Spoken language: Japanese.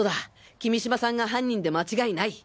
君島さんが犯人で間違いない。